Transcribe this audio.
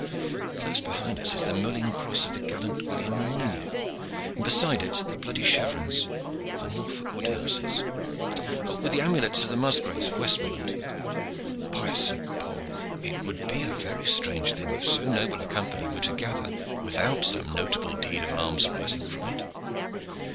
Close behind us is the moline cross of the gallant William Molyneux, and beside it the bloody chevrons of the Norfork Woodhouses, with the amulets of the Musgraves of Westmoreland. By St. Paul! it would be a very strange thing if so noble a company were to gather without some notable deed of arms arising from it.